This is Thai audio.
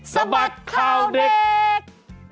สบัติข้าวเด็ก